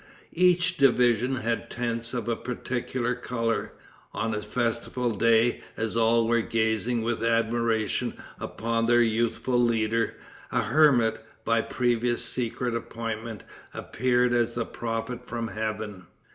Each division had tents of a particular color. On a festival day, as all were gazing with admiration upon their youthful leader, a hermit, by previous secret appointment, appeared as a prophet from heaven.